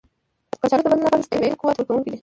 کچالو د بدن لپاره طبیعي قوت ورکونکی دی.